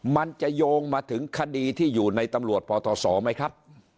มันจะโยงมาถึงคดีที่อยู่ในตำรวจปทศไหมครับ